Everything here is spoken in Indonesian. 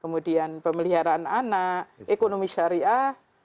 kemudian pemeliharaan anak ekonomi syariah